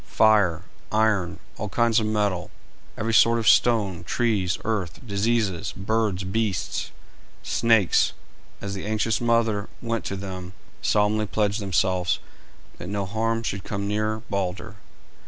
Fire, iron, all kinds of metal, every sort of stone, trees, earth, diseases, birds, beasts, snakes, as the anxious mother went to them, solemnly pledged themselves that no harm should come near Balder.